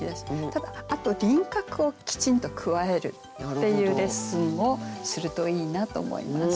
ただあと輪郭をきちんと加えるっていうレッスンをするといいなと思います。